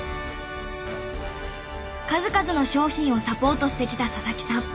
数々の商品をサポートしてきた佐々木さん。